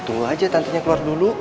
tunggu aja tantenya keluar dulu